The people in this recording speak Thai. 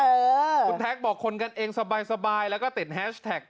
คุณแท็กบอกคนกันเองสบายแล้วก็ติดแฮชแท็ก